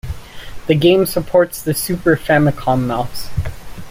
The game supports the Super Famicom Mouse.